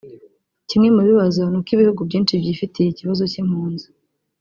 Kimwe mu bibazo ni uko ibihugu byinshi byifitiye ikibazo cy’impunzi